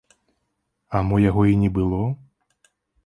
А мо яго і не было?